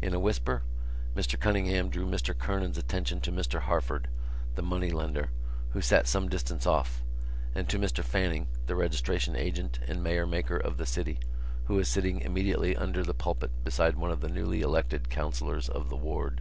In a whisper Mr Cunningham drew Mr Kernan's attention to Mr Harford, the moneylender, who sat some distance off, and to Mr Fanning, the registration agent and mayor maker of the city, who was sitting immediately under the pulpit beside one of the newly elected councillors of the ward.